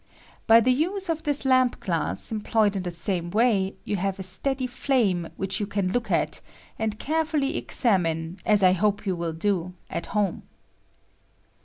By the use of this lamp glass, employed in the same way, you have a steady flame, which you can look at, and care fully examine, as I hope you will do, at home.